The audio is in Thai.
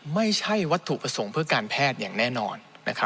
ไม่ใช่ว่าถูกผสมเพื่อการแพทย์อย่างแน่นอน